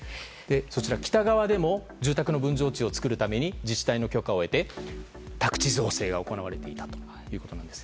北側でも住宅の分譲地を作るために自治体に許可を得て宅地造成が行われていたということです。